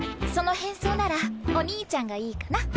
その変装ならお兄ちゃんがいいかな。